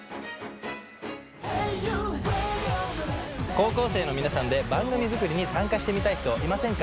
高校生の皆さんで番組作りに参加してみたい人いませんか？